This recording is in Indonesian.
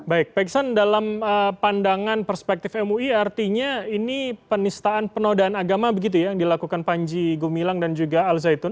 baik pak iksan dalam pandangan perspektif mui artinya ini penistaan penodaan agama begitu ya yang dilakukan panji gumilang dan juga al zaitun